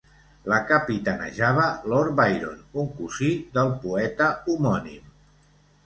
La capitanejava Lord Byron, un cosí del poeta homònim.